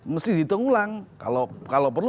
mesti ditunggulang kalau perlu